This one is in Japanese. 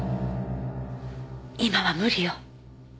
今は無理よ。